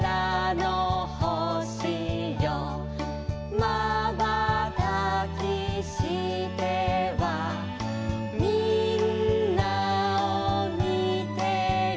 「まばたきしてはみんなをみてる」